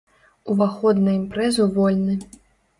Уваход на імпрэзу вольны!